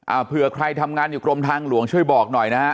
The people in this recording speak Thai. เผื่อใครทำงานอยู่กรมทางหลวงช่วยบอกหน่อยนะฮะ